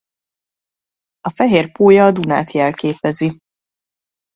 A fehér pólya a Dunát jelképezi.